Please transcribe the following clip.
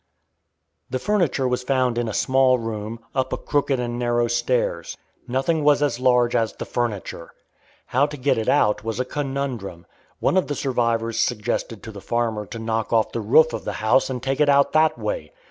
The furniture was found in a small room, up a crooked and narrow stairs. Nothing was as large as the furniture. How to get it out was a conundrum. One of the survivors suggested to the farmer to knock off the roof of the house, and take it out that way.